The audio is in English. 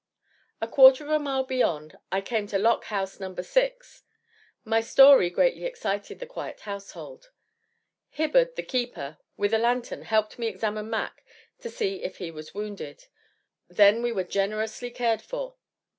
A quarter of a mile beyond I came to Lock House No. 6. My story greatly excited the quiet household. Hibbard, the keeper, with a lantern helped me examine Mac to see if he was wounded; then we were generously cared for.